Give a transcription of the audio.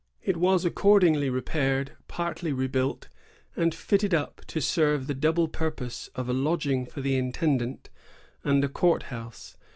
It was accordingly repaired, partly rebuilt, and fitted up to serve the double purpose of a lodging for the intendant and a court house.